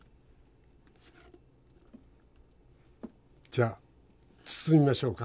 じゃ包みましょうか？